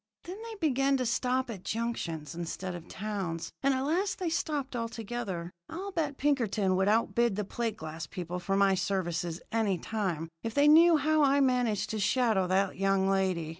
Then they began to stop at junctions instead of towns, and at last they stopped altogether. I'll bet Pinkerton would outbid the plate glass people for my services any time if they knew how I managed to shadow that young lady.